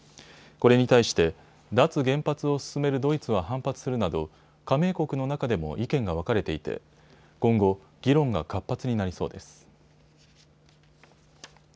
これに対して脱原発を進めるドイツは反発するなど加盟国の中でも意見が分かれていて今後、議論が活発になりそうです。